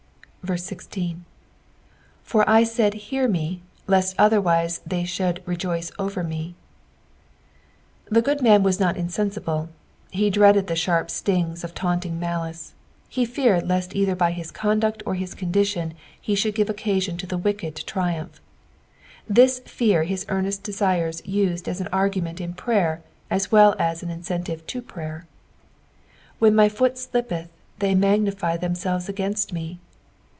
IS. "For I laid, hear me, lett othenciie iliey ihould rejoift over me." Tlie good man was not iD^nsible, he dreaded the uhaip stin^ of taunting msiice; he feared lest either by his conduct or his condition, he should give occaMOO 10 the wicked to triumph. Tliis fear his earnest desires nsed as an arguoiest in prayer as well as an incentive to prayer. " When my foot ilippelh, Ika/ imignifg themtehei againit me."